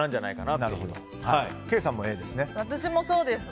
ケイさんもＡですね。